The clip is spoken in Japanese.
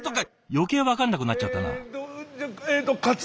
余計分かんなくなっちゃったな。